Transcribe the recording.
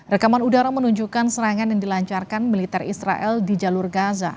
rekaman udara menunjukkan serangan yang dilancarkan militer israel di jalur gaza